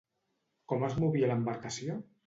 Com es movia l'embarcació?